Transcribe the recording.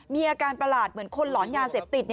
มีอาการประหลาดเหมือนคนหลอนยาเสพติด